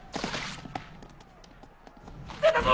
出たぞ！